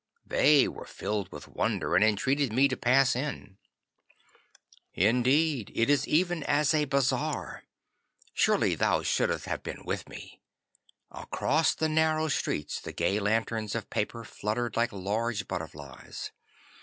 They were filled with wonder, and entreated me to pass in. 'Inside it is even as a bazaar. Surely thou shouldst have been with me. Across the narrow streets the gay lanterns of paper flutter like large butterflies.